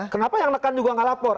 kenapa yang nekan juga nggak lapor